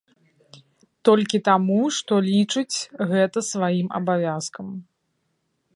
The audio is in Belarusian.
Толькі таму, што лічыць гэта сваім абавязкам.